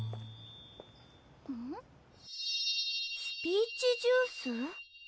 「スピーチジュース」？